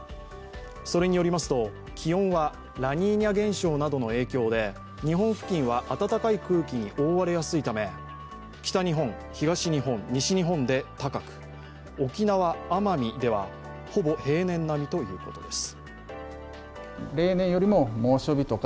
それによりますと、気温はラニーニャ現象などの影響で、日本付近は暖かい空気に覆われやすいため北日本、東日本、西日本で高く沖縄・甘みではほぼ平年並みということです。